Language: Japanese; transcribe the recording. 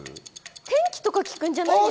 天気とか聞くんじゃないですか？